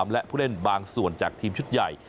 และผู้เล่นบางส่วนจากทีมชุดใหญ่